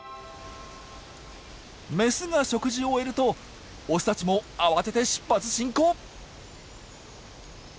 メスが食事を終えるとオスたちも慌てて出発進行。